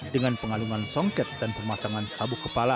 dengan pengalungan songket dan pemasangan sabuk kepala